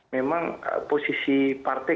memang posisi partai